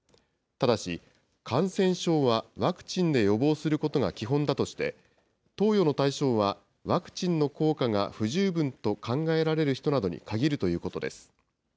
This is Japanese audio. ただし、感染症はワクチンで予防することが基本だとして、投与の対象はワクチンの効果が不十分と考えられる人などに限るということです。